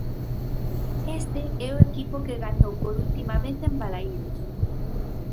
Este é o equipo que gañou por última vez en Balaídos.